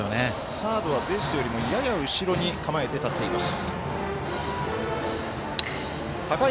サードはベース寄りもやや後ろに構えて立っています。